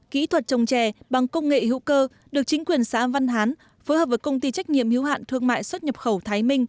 kỹ thuật trồng trè bằng công nghệ hữu cơ được chính quyền xã văn hán phối hợp với công ty trách nhiệm hiếu hạn thương mại xuất nhập khẩu thái minh